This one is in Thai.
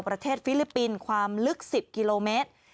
ประเทศฟิลิปปินความลึก๑๐กิโลเมตร